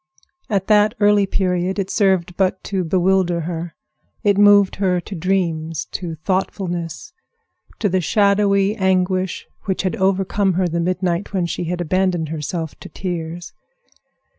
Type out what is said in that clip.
At that early period it served but to bewilder her. It moved her to dreams, to thoughtfulness, to the shadowy anguish which had overcome her the midnight when she had abandoned herself to tears.